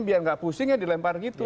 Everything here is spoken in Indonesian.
biar nggak pusing ya dilempar gitu